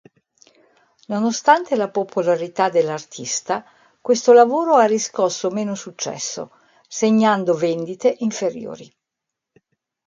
Nonostante la popolarità dell'artista, questo lavoro ha riscosso meno successo, segnando vendite inferiori.